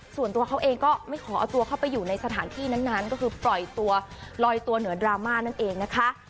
ส่วนตัวเขาเองก็ไม่ขอเอาตัวเข้าไปอยู่ในสถานที่นั้นก็คือปล่อยตัวลอยตัวเหนือดราม่านั่นเองนะคะ